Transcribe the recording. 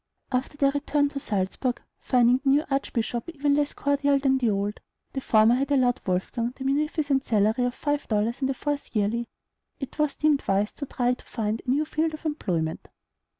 After their return to Salzburg, finding the new archbishop even less cordial than the old the former had allowed Wolfgang the munificent salary of five dollars and a fourth yearly! it was deemed wise to try to find a new field for employment.